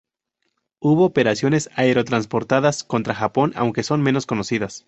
Hubo operaciones aerotransportadas contra Japón aunque son menos conocidas.